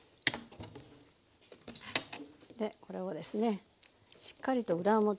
でこれをですねしっかりと裏表。